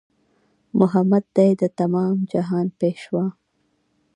محمد دی د تمام جهان پېشوا